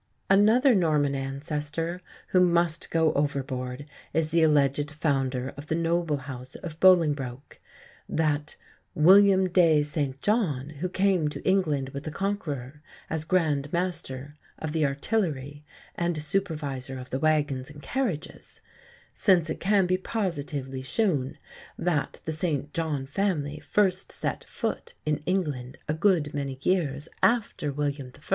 Another Norman ancestor who must go overboard is the alleged founder of the "noble" house of Bolingbroke that "William de St John who came to England with the Conqueror as grand master of the artillery and supervisor of the wagons and carriages," since it can be positively shewn that the St John family first set foot in England a good many years after William I.